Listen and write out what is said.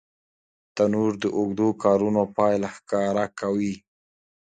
تنور د اوږدو کارونو پایله ښکاره کوي